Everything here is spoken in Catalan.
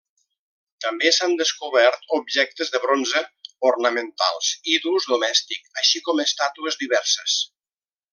També s'han descobert objectes de bronze, ornamentals i d'ús domèstic, així com estàtues diverses.